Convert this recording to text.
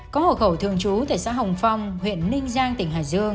có hộ khẩu thường trú tại xã hồng phong huyện ninh giang tỉnh hải dương